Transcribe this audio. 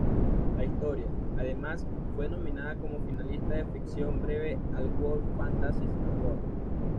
La historia, además, fue nominada como finalista de ficción breve al World Fantasy Award.